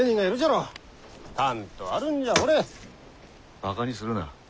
バカにするな。